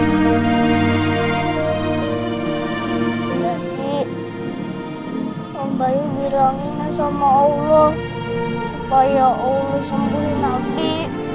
nanti om bayu bilanginnya sama allah supaya allah sembuhin abi